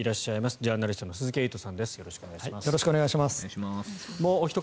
ジャーナリストの鈴木エイトさんです。